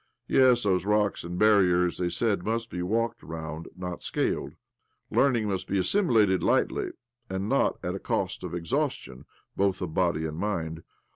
.Yes, those rocks and barriers, they said, must be walked around, not scaled ; learning must be assimilated lightly, and not at the cost of exhaustion both of body and mind.